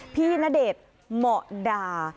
พี่ณเดชน์เหมาะด่า